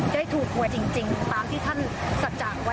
ได้ถูกหัวจริงตามที่ท่านสจะไว้ให้กับเรา